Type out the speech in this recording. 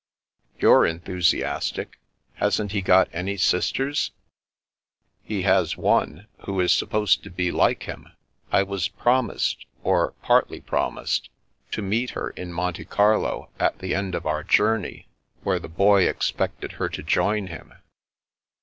" You're enthusiastic ! Hasn't he got any sisters ?"" He has one, who is supposed to be like him. I was promised—or partly promised — ^to meet her in Monte Carlo, at the end of our journey, where the Boy expected her to join him."